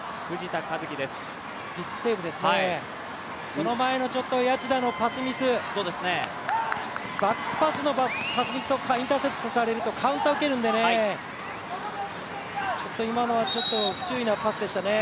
その前の谷内田のパスミス、バックパスのパスミスとか、インターセプトされるとカウンターを受けるんで、今のは不注意なパスでしたね。